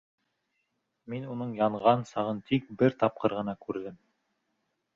Мин уның янған сағын тик бер тапҡыр ғына күрҙем.